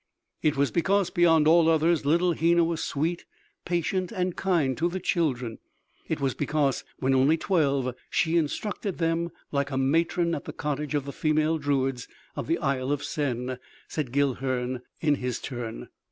"It was because, beyond all others, little Hena was sweet, patient and kind to the children; it was because, when only twelve, she instructed them like at matron at the cottage of the female druids of the Isle of Sen," said Guilhern in his turn.